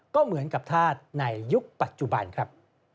ก็เหมือนกับธาตุในยุคปัจจุบันครับ